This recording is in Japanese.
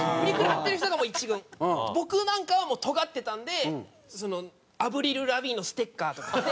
僕なんかはもうとがってたんでアヴリル・ラヴィーンのステッカーとか貼って。